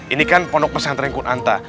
ini kan pondok pesantren kuanta